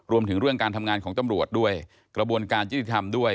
รวมถึงเรื่องการทำงานของตำรวจด้วยกระบวนการยุติธรรมด้วย